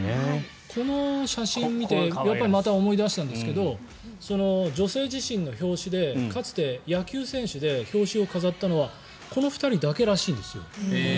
この写真見てまた思い出したんですけど「女性自身」の表紙でかつて野球選手で表紙を飾ったのはこの２人だけらしいんです。